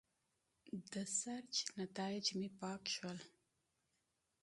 د سرچ نیتایج مې پاک شول.